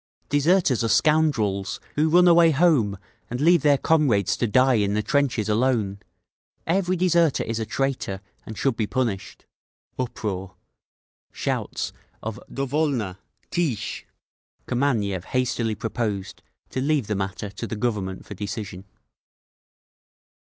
Deserters are scoundrels, who run away home and leave their comrades to die in the trenches alone! Every deserter is a traitor, and should be punished…." Uproar, shouts of "Do volno! Teesche!" Kameniev hastily proposed to leave the matter to the Government for decision.